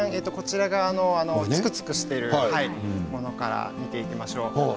つくつくしているものから見ていきましょう。